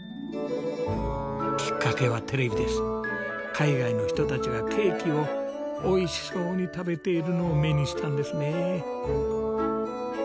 海外の人たちがケーキをおいしそうに食べているのを目にしたんですね。